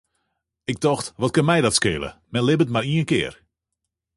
Ik tocht, wat kin my dat skele, men libbet mar ien kear.